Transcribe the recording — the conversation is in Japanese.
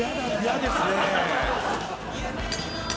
嫌ですねぇ。